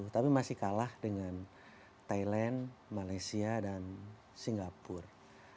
tapi masih kalah dengan thailand malaysia dan singapura